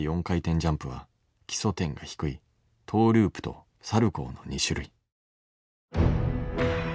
４回転ジャンプは基礎点が低いトーループとサルコーの２種類。